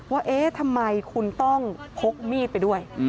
ว่าเอ๊ะทำไมคุณต้องพกมีดไปด้วย